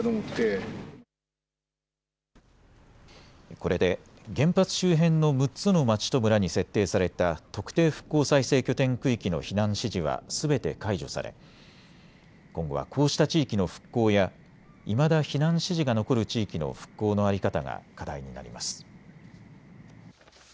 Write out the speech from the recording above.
これで原発周辺の６つの町と村に設定された特定復興再生拠点区域の避難指示はすべて解除され、今後はこうした地域の復興やいまだ避難指示が残る地域の復興の在り方が課題になります。